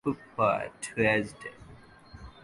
Super Tuesday!